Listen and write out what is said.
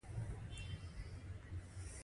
له غوږ څخه مغزو ته د غږ لیږد یو فزیولوژیکي بهیر دی